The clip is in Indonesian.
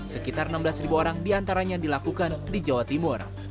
sekitar enam belas orang diantaranya dilakukan di jawa timur